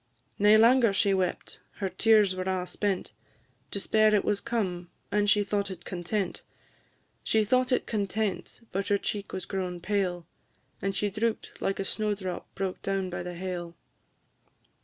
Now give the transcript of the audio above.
Nae langer she wept, her tears were a' spent; Despair it was come, and she thought it content; She thought it content, but her cheek was grown pale, And she droop'd like a snow drop broke down by the hail.